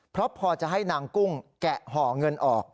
เพราะพอจะให้นางกุ้งแกะห่อเงินออก